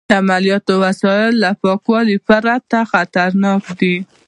د عملیاتو وسایل له پاکوالي پرته خطرناک دي.